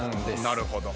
なるほど。